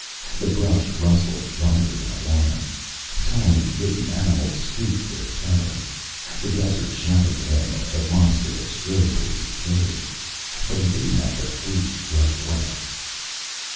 The brush rustled dryly in alarm, tiny hidden animals squeaked their terror, the desert shouted to him of the monster that strode toward his cave. But he didn't have to flee right away.